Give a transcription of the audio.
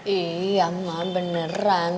iya ma beneran